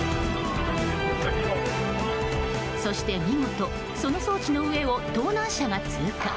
そして見事、その装置の上を盗難車が通過。